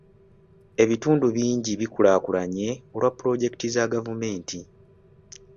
Ebitundu bingi bikulaakulanye olwa pulojekiti za gavumenti.